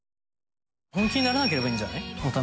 本気にならなければいいんじゃない？